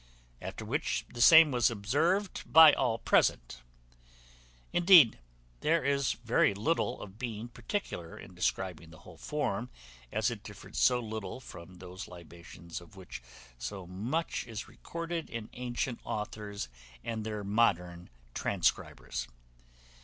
After which, the same was observed by all present. Indeed, there is very little need of being particular in describing the whole form, as it differed so little from those libations of which so much is recorded in antient authors and their modern transcribers.